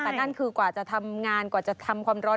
แต่นั่นคือกว่าจะทำงานกว่าจะทำความร้อน